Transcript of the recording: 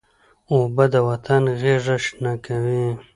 اوبه د وطن غیږه شنه کوي.